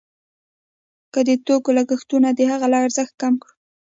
که د توکو لګښتونه د هغه له ارزښت کم کړو